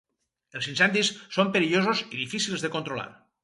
Els incendis són perillosos i difícils de controlar.